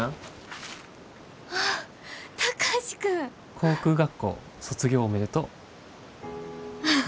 航空学校卒業おめでとう。